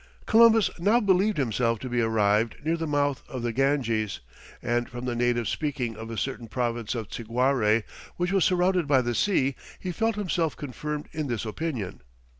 Columbus now believed himself to be arrived near the mouth of the Ganges, and from the natives speaking of a certain province of Ciguare, which was surrounded by the sea, he felt himself confirmed in this opinion.